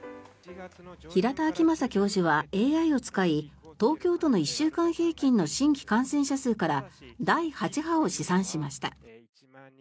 平田晃正教授はＡＩを使い東京都の１週間平均の新規感染者数から第８波を試算しました。